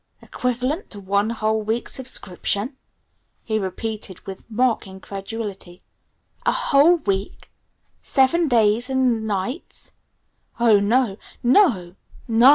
"Equivalent to one whole week's subscription?" he repeated with mock incredulity. "A whole week seven days and nights? Oh, no! No! No!